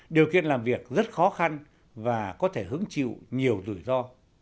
điều kiện làm việc rất khó khăn và có thể hứng chịu nhiều rủi ro